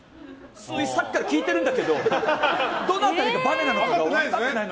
さっきから聞いてるんだけどどの辺りがバネか分かってないの。